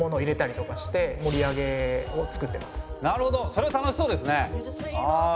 それは楽しそうですね。